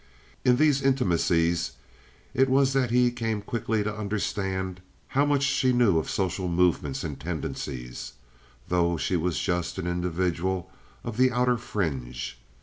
In these intimacies it was that he came quickly to understand how much she knew of social movements and tendencies, though she was just an individual of the outer fringe.